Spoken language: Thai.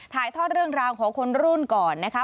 ถ่ายทอดเรื่องราวของคนรุ่นก่อนนะคะ